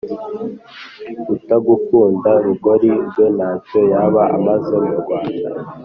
Utagukunda Rugori rweraNtacyo yaba amaze mu Rwanda